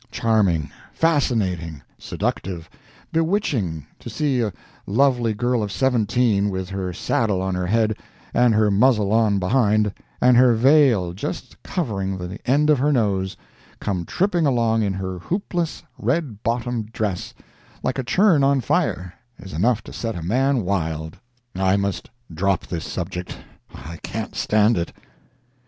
Charming, fascinating, seductive, bewitching to see a lovely girl of seventeen, with her saddle on her head, and her muzzle on behind, and her veil just covering the end of her nose, come tripping along in her hoopless, red bottomed dress, like a churn on fire, is enough to set a man wild. I must drop this subject—I can't stand it.